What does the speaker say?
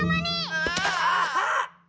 あっ！